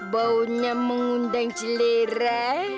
baunya mengundang celera